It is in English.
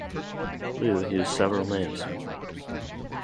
Liu used several names.